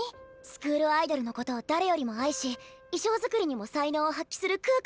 スクールアイドルのことを誰よりも愛し衣装作りにも才能を発揮する可可ちゃん。